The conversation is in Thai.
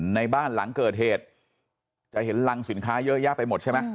ในบ้านหลังเกิดเหตุจะเห็นรังสินค้าเยอะแยะไปหมดใช่ไหม